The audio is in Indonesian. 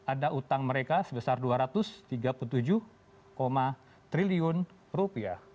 ada utang mereka sebesar dua ratus tiga puluh tujuh triliun rupiah